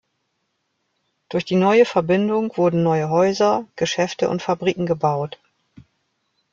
Durch die neue Verbindung wurden neue Häuser, Geschäfte und Fabriken gebaut.